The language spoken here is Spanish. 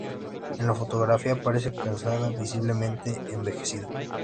En la fotografía parece cansada, visiblemente envejecida.